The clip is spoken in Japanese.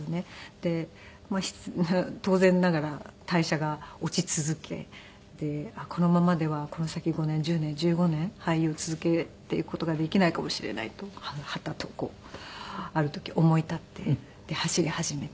で当然ながら代謝が落ち続けでこのままではこの先５年１０年１５年俳優を続けていく事ができないかもしれないとはたとこうある時思い立って走り始めて。